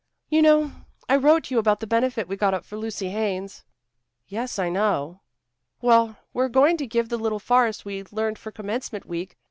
You know, I wrote you about the benefit we got up for Lucy Haines." "Yes, I know." "Well, we're going to give the little farce we learned for commencement week.